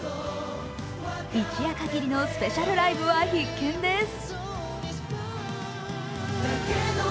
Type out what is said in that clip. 一夜限りのスペシャルライブは必見です。